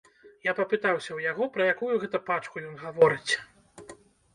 Я папытаўся ў яго, пра якую гэта пачку ён гаворыць.